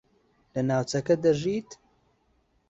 لە ناوچەکە دەژیت؟